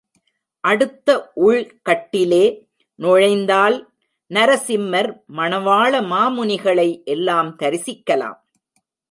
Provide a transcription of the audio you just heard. அடுத்த உள் கட்டிலே நுழைந்தால் நரசிம்மர், மணவாள மாமுனிகளை எல்லாம் தரிசிக்கலாம்.